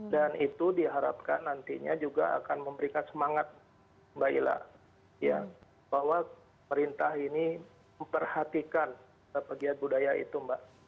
dan itu diharapkan nantinya juga akan memberikan semangat mbak ila ya bahwa perintah ini memperhatikan pegiat budaya itu mbak